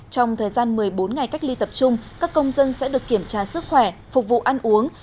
trong thời gian một mươi bốn ngày cách ly tập trung các công dân sẽ được kiểm tra sức khỏe phục vụ ăn uống